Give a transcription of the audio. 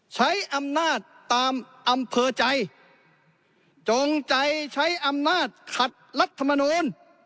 ใช้อำนาจตามอำเภอใจจงใจใช้อำนาจขัดรัฐมนูล